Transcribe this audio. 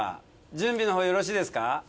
準備のほうよろしいですか？